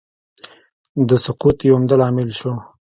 د سقوط یو عمده عامل شو.